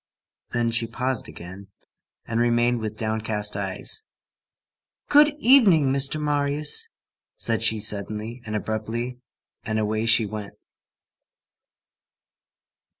Then she paused again, and remained with downcast eyes. "Good evening, Mr. Marius," said she suddenly and abruptly; and away she went.